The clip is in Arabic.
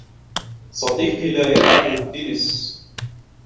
صديقي لا يلعب التنس.